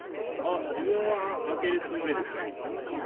自分は開けるつもりですね。